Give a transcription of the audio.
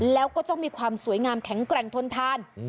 แล้วก็ต้องมีความสวยงามแข็งแกร่งทนทาน